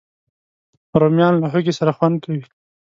رومیان له هوږې سره خوند کوي